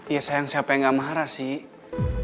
ya sayang siapa yang gak marah sih